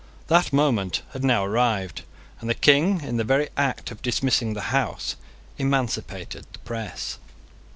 That moment had now arrived; and the King, in the very act of dismissing the House, emancipated the Press.